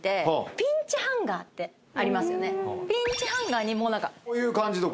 ピンチハンガーにもう何かこういう感じとか？